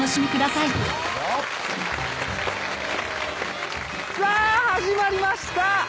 さあ始まりました。